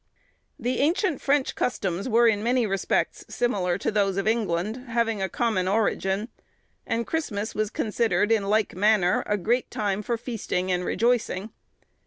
The ancient French customs were in many respects similar to those of England, having a common origin; and Christmas was considered, in like manner, a great time for feasting and rejoicing.